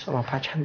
sama pak chandra